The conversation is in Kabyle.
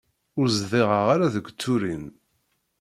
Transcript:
Ur zdiɣeɣ ara deg Turin.